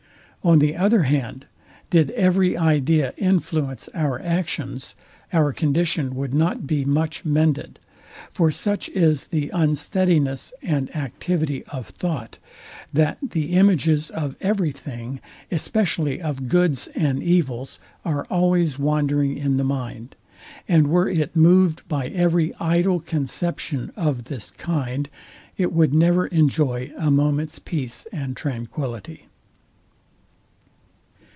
On the other hand, did every idea influence our actions, our condition would not be much mended. For such is the unsteadiness and activity of thought, that the images of every thing, especially of goods and evils, are always wandering in the mind; and were it moved by every idle conception of this kind, it would never enjoy a moment's peace and tranquillity.